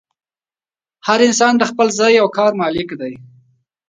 هر انسان د خپل ځان او خپل کار مالک دی.